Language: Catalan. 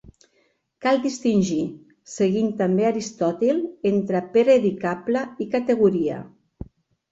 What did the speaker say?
Cal distingir, seguint també Aristòtil, entre predicable i categoria.